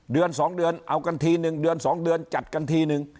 เดือน๒เดือนเอากันทีนึงเดือน๒เดือนจัดกันทีนึง